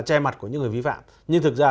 che mặt của những người vi phạm nhưng thực ra